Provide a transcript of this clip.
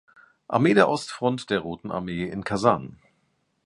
Armee der Ostfront der Roten Armee in Kasan.